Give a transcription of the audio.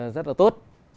rất là tốt